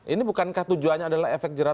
ini bukankah tujuannya adalah efek jerah